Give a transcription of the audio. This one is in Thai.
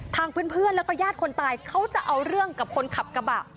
ทางเพื่อนแล้วก็ญาติคนตายเขาจะเอาเรื่องกับคนขับกระบะ